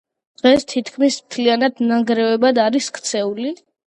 დღეს თითქმის მთლიანად ნანგრევებად არის ქცეული.